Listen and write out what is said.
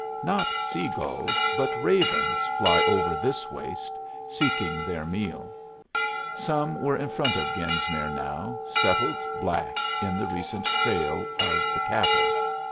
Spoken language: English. Not sea gulls, but ravens, fly over this waste, seeking their meal. Some were in front of Genesmere now, settled black in the recent trail of the cattle.